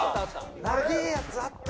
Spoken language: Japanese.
長えやつあった。